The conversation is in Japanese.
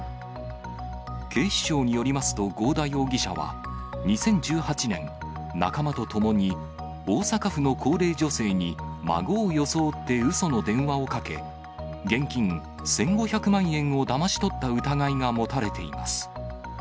警視庁によりますと、合田容疑者は２０１８年、仲間と共に大阪府の高齢女性に孫を装ってうその電話をかけ、現金１５００万円をだまし取った疑いが持たれています。